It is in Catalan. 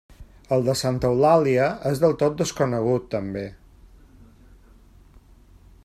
El de Santa Eulàlia és del tot desconegut, també.